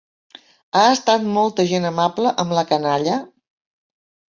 Ha estat molta gent amable amb la canalla?